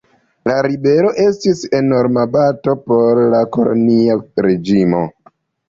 La ribelo estis enorma bato por la kolonia reĝimo.